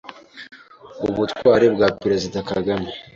ubutwari bwa Perezida Kagame